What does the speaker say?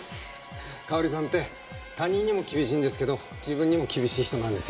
香織さんって他人にも厳しいんですけど自分にも厳しい人なんですよ。